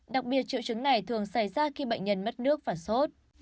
đặc biệt triệu chứng này thường xảy ra khi bệnh nhân mất nước và sốt